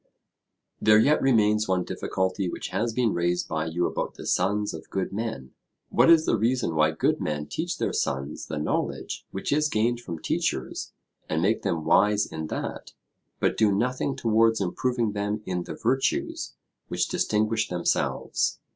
There yet remains one difficulty which has been raised by you about the sons of good men. What is the reason why good men teach their sons the knowledge which is gained from teachers, and make them wise in that, but do nothing towards improving them in the virtues which distinguish themselves?